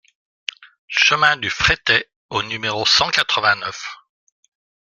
Chemin du Frettey au numéro cent quatre-vingt-neuf